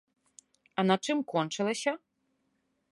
А на чым кончылася?